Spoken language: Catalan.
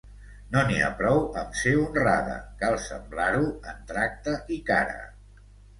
No n'hi ha prou amb ser honrada: cal semblar-ho en tracte i cara.